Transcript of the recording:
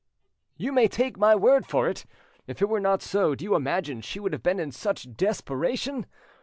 "You may take my word for it. If it were not so, do you imagine she would have been in such desperation?